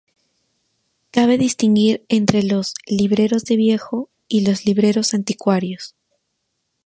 Cabe distinguir entre los "libreros de viejo" y los libreros anticuarios.